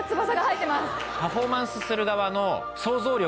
パフォーマンスする側の。